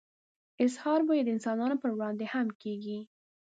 اظهار به يې د انسانانو په وړاندې هم کېږي.